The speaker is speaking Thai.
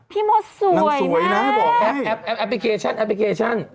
พี่มดสวยมากนางสวยนะบอกให้แอปพลิเคชัน